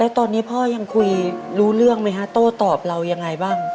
ตอนนี้พ่อยังคุยรู้เรื่องไหมฮะโต้ตอบเรายังไงบ้าง